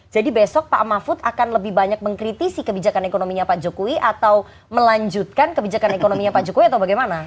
jadi besok pak mahfud akan lebih banyak mengkritisi kebijakan ekonominya pak jokowi atau melanjutkan kebijakan ekonominya pak jokowi atau bagaimana